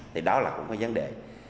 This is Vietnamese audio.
thì đó là cũng có vấn đề